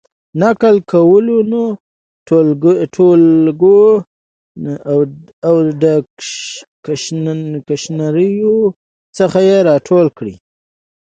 د نقل قولونو د ټولګو او ډکشنریو څخه یې را ټولې کړې.